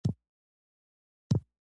د دویم اصل لازمه یوه مهمه خبره ده.